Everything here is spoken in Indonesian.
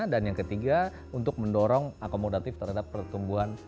dan yang ketiga untuk mendorong akomodatif terhadap pertumbuhan